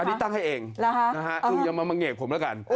อันนี้ตั้งให้เองลุงอย่ามาเงกผมแล้วกัน